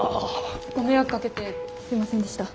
ご迷惑かけてすいませんでした。